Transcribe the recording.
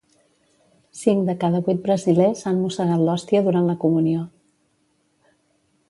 Cinc de cada vuit brasilers han mossegat l'hòstia durant la comunió.